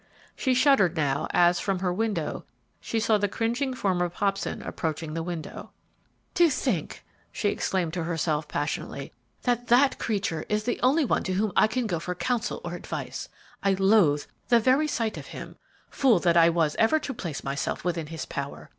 She shuddered now, as, from her window, she saw the cringing form of Hobson approaching the building. "To think," she exclaimed to herself, passionately, "that that creature is the only one to whom I can go for counsel or advice! I loathe the very sight of him; fool that I was ever to place myself within his power!